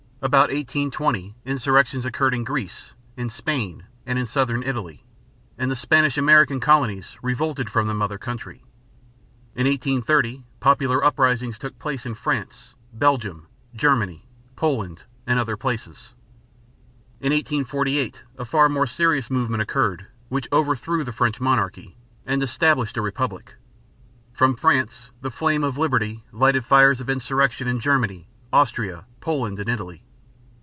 About 1820 insurrections occurred in Greece, in Spain, and in southern Italy; and the Spanish American colonies revolted from the mother country. In 1830 popular uprisings took place in France, Belgium, Germany, Poland, and other places. In 1848 a far more serious movement occurred, which overthrew the French monarchy and established a republic. From France the flame of liberty lighted fires of insurrection in Germany, Austria, Poland, and Italy.